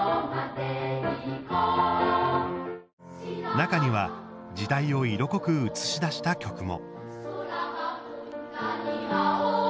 中には時代を色濃く映し出した曲も。